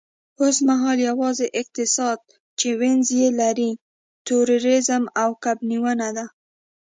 اوسمهال یوازینی اقتصاد چې وینز یې لري، تورېزم او کب نیونه ده